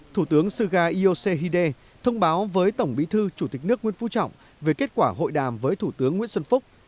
thủ tướng suga iosehide thông báo với tổng bí thư chủ tịch nước nguyễn phú trọng về kết quả hội đàm với thủ tướng nguyễn xuân phúc